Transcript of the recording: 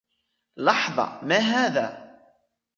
لحظة! ما هذا؟